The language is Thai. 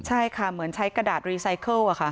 ใช่ค่ะเหมือนใช้กระดาษรีไซเคิล